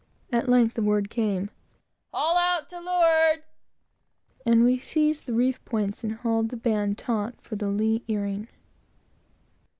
At length the word came "Haul out to leeward," and we seized the reef points and hauled the band taut for the lee earing.